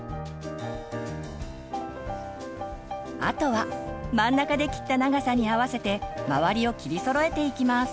あとは真ん中で切った長さに合わせて周りを切りそろえていきます。